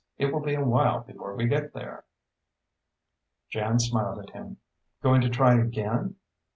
It will be a while before we get there." Jan smiled at him. "Going to try again?"